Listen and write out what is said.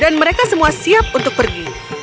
dan mereka semua siap untuk pergi